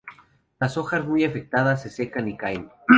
Las hojas muy afectadas se secan y caen.